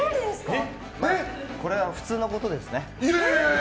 これは普通のことですね。